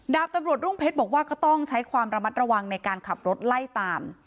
ดาบตำรวจรุ่งเพชรบอกว่าก็ต้องใช้ความระมัดระวังในการขับรถไล่ตาม